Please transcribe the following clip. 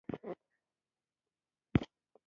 غوږ شه، له جګړې ناوړه شی په دې نړۍ کې بل نشته.